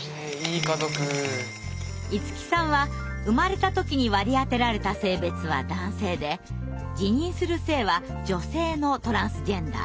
いつきさんは生まれた時に割り当てられた性別は男性で自認する性は女性のトランスジェンダー。